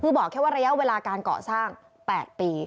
เพราะบอกแค่ว่าระยะเวลาการเกาะสร้าง๘ปี